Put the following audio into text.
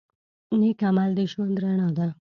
نیک عمل د ژوند رڼا ده.